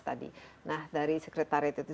tadi nah dari sekretariat itu